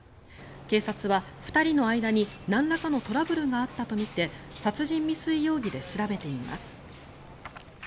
警察は２人の間に、なんらかのトラブルがあったとみて殺人未遂容疑で調べています。